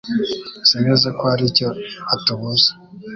Nzi neza ko hari icyo atubuza.